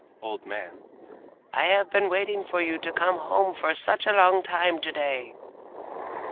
(old man) I have been waiting for you to come home for such a long time to day!"